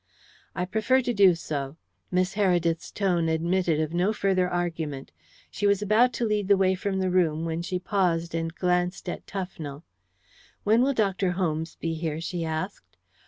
"I prefer to do so." Miss Heredith's tone admitted of no further argument. She was about to lead the way from the room when she paused and glanced at Tufnell. "When will Dr. Holmes be here?" she asked.